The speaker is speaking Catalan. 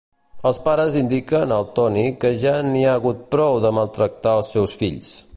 Els pares indiquen al Toni que ja n'hi ha hagut prou de maltractar els seus fills.